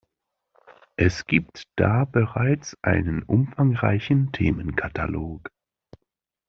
Es gibt da bereits einen umfangreichen Themenkatalog.